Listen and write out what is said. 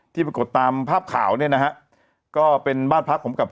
ที่ปรากฏตามภาพขาวนี่นะฮะก็เป็นบ้านพักของพวกบ้าน